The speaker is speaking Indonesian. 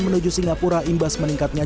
menuju singapura imbas meningkatnya